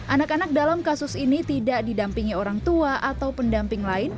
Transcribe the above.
anak anak dalam kasus ini tidak didampingi orang tua atau pendamping lain